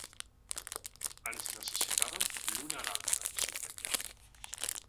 Ens necessitàvem l’una a l’altra, subratlla.